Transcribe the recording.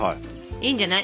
いいんじゃない。